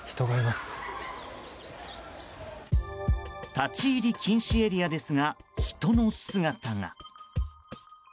立ち入り禁止エリアですが人の姿が。